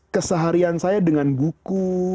keseharian saya dengan buku